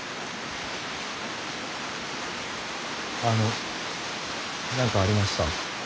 あの何かありました？